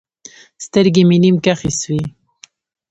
سترګې مې نيم کښې سوې.